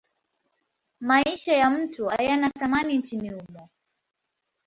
Maisha ya mtu hayana thamani nchini humo.